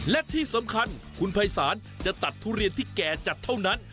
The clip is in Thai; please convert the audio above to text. และที่สำคัญคุณภัยศาลจะตัดทุเรียนที่แก่จัดเท่านั้น